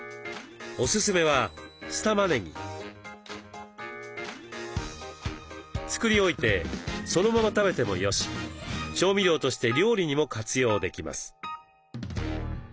おすすめは作り置いてそのまま食べてもよし調味料として料理にも活用できます。